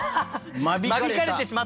間引かれてしまった？